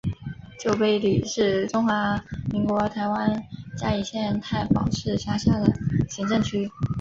旧埤里是中华民国台湾嘉义县太保市辖下的行政区。